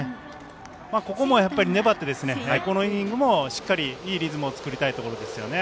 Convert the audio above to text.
ここも粘ってこのイニングもしっかりいいリズムを作りたいところですよね。